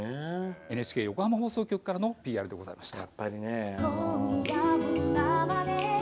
ＮＨＫ横浜放送局からのＰＲでございました。